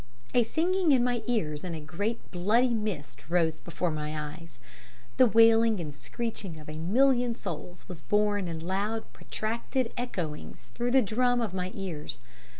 "A singing in my ears and a great bloody mist rose before my eyes. The wailing and screeching of a million souls was borne in loud protracted echoings through the drum of my ears.